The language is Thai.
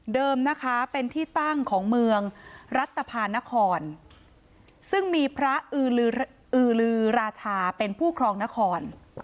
นะคะเป็นที่ตั้งของเมืองรัฐภานครซึ่งมีพระอือลือราชาเป็นผู้ครองนคร